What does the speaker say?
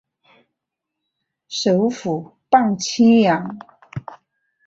首府磅清扬。